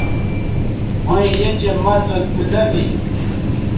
ھویں یھ چہء مَزو تُو لمی